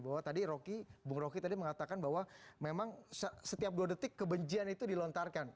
bahwa tadi rocky bung roky tadi mengatakan bahwa memang setiap dua detik kebencian itu dilontarkan